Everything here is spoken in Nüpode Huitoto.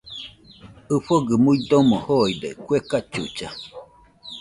ɨfɨgɨ muidomo joide kue cachucha